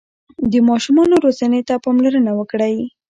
د ماشومانو روزنې ته پاملرنه وکړئ.